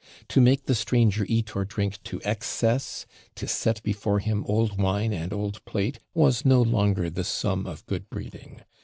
To make the stranger eat or drink to excess, to set before him old wine and old plate, was no longer the sum of good breeding.